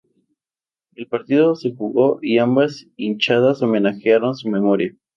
El partido se jugó y ambas hinchadas homenajearon su memoria.